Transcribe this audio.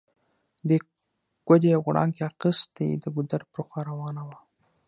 دې ګوډی او غړانګۍ اخيستي، د ګودر پر خوا روانه وه